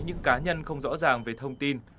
những cá nhân không rõ ràng về thông tin